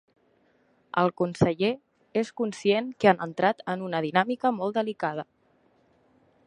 El conseller és conscient que han entrat en una dinàmica molt delicada.